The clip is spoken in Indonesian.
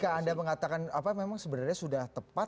apakah anda mengatakan apa memang sebenarnya sudah tepat